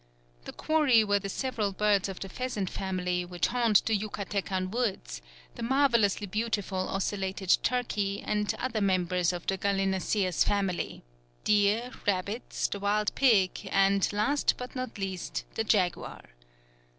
The quarry were the several birds of the pheasant family which haunt the Yucatecan woods, the marvellously beautiful ocellated turkey and other members of the gallinaceous family, deer, rabbits, the wild pig and, last but not least, the jaguar.